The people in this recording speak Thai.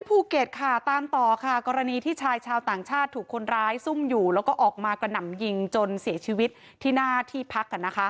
ภูเก็ตค่ะตามต่อค่ะกรณีที่ชายชาวต่างชาติถูกคนร้ายซุ่มอยู่แล้วก็ออกมากระหน่ำยิงจนเสียชีวิตที่หน้าที่พัก